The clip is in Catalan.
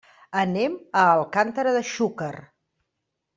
Anem a Alcàntera de Xúquer.